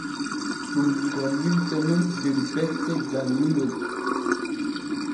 Ɗum gollirte nun der becce janŋinol f́́́́́́́.